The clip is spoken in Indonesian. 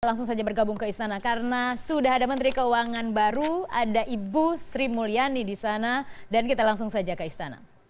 langsung saja bergabung ke istana karena sudah ada menteri keuangan baru ada ibu sri mulyani di sana dan kita langsung saja ke istana